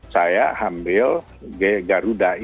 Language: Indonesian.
saya ambil garuda itu sebagai yang saya ambil